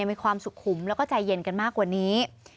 มีความสุขุมแล้วก็ใจเย็นกันมากกว่านี้